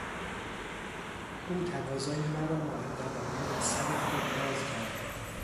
او تقاضای مرا مؤدبانه از سر خود باز کرد.